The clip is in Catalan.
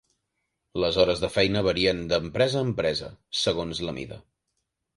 Les hores de feina varien d'empresa a empresa, segons la mida.